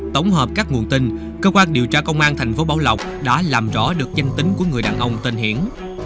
tổng hợp các nguồn tin cơ quan điều tra công an thành phố bảo lộc đã làm rõ được danh tính của người đàn ông tên hiển